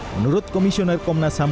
menurut komisioner komnas ham